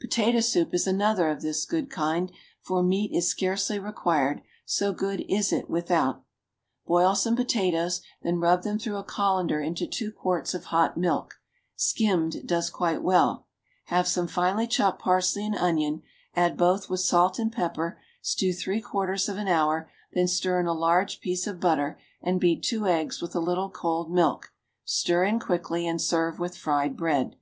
POTATO SOUP is another of this good kind, for meat is scarcely required, so good is it without. Boil some potatoes, then rub them through a colander into two quarts of hot milk (skimmed does quite well); have some fine chopped parsley and onion, add both with salt and pepper, stew three quarters of an hour; then stir in a large piece of butter, and beat two eggs with a little cold milk, stir in quickly, and serve with fried bread.